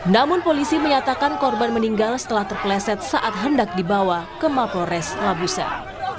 namun polisi menyatakan korban meninggal setelah terpleset saat hendak dibawa ke mapores labusan